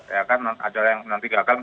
ya kan ada yang nanti gagal